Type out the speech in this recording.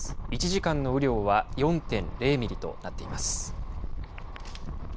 １時間の雨量は４．０ミリとなっています。